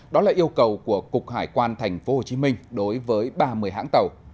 đó là yêu cầu của cục hải quan tp hcm đối với ba mươi hãng tàu